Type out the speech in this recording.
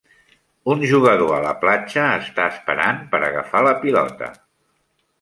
Un jugador a la platja està esperant per agafar la pilota.